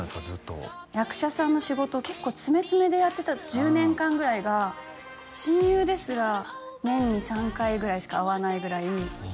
ずっと役者さんの仕事結構詰め詰めでやってた１０年間ぐらいが親友ですら年に３回ぐらいしか会わないぐらい